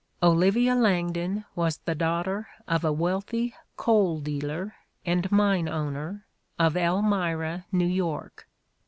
Olivia Langdon was the daughter of "a wealthy coal dealer and mine owner" of Elmira, New York.